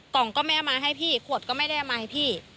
กล่องก็แม่เอามาให้พี่ขวดก็ไม่ได้เอามาให้พี่